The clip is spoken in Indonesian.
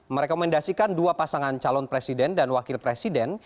merekomendasikan dua pasangan calon presiden dan wakil presiden